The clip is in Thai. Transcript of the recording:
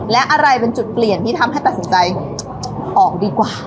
และอะไรเป็นจุดเปลี่ยนที่ทำให้ตัดสินใจออกดีกว่า